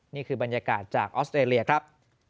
นี่คือบรรยากาศจากออสเตรเลียครับ